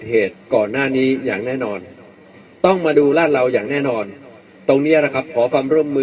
แล้วมีการหลบหนีไปคนละทางกับที่แผนที่ซ้อมด้วยคิดว่าคนร้ายน่าจะมีความรู้หรือว่ามีข้อมูลเกี่ยวกับการซ้อมแผนอยู่ที่นี่คะ